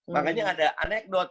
makanya ada anekdot